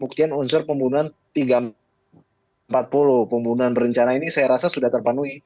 buktian unsur pembunuhan tiga ratus empat puluh pembunuhan berencana ini saya rasa sudah terpenuhi